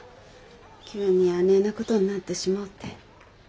急にあねえなことになってしもうて。